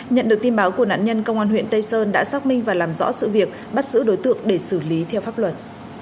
nhận được tin báo của nạn nhân công an huyện tây sơn đã xác minh và làm rõ sự việc bắt giữ đối tượng để xử lý theo pháp luật